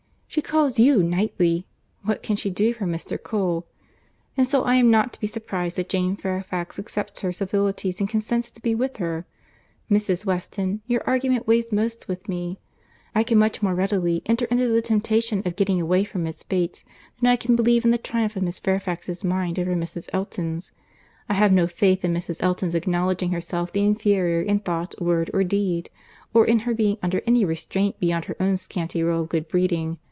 She calls you, Knightley—what can she do for Mr. Cole? And so I am not to be surprized that Jane Fairfax accepts her civilities and consents to be with her. Mrs. Weston, your argument weighs most with me. I can much more readily enter into the temptation of getting away from Miss Bates, than I can believe in the triumph of Miss Fairfax's mind over Mrs. Elton. I have no faith in Mrs. Elton's acknowledging herself the inferior in thought, word, or deed; or in her being under any restraint beyond her own scanty rule of good breeding.